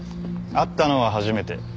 会ったのは初めて。